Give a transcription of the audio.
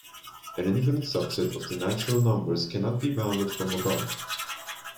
An infinite subset of the natural numbers cannot be bounded from above.